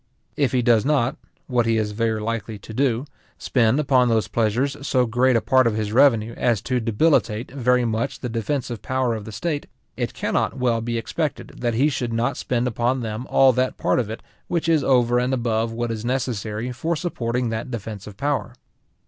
If he does not, what he is very likely to do, spend upon those pleasures so great a part of his revenue as to debilitate very much the defensive power of the state, it cannot well be expected that he should not spend upon them all that part of it which is over and above what is necessary for supporting that defensive power.